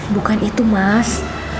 bukan itu mas